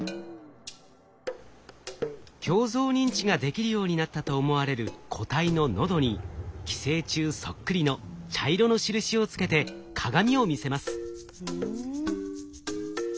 鏡像認知ができるようになったと思われる個体の喉に寄生虫そっくりの茶色の印をつけて鏡を見せます。